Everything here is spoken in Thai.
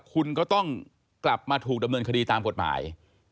คุณก็ต้องกลับมาถูกดำเนินคดีตามกฎหมาย